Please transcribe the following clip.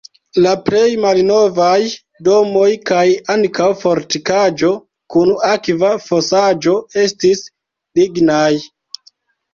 La plej malnovaj domoj kaj ankaŭ fortikaĵo kun akva fosaĵo estis lignaj.